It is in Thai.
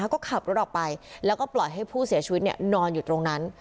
ก็ขับรถออกไปแล้วก็ปล่อยให้ผู้เสียชีวิตนอนอยู่ตรงนั้น